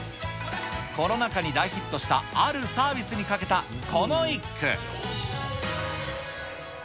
コロナ禍に大ヒットした、あるサービスにかけたこの一句。